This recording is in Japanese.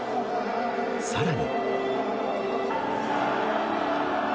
さらに。